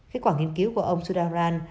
kết quả nghiên cứu của ông sudararan